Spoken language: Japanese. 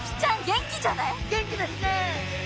元気ですね。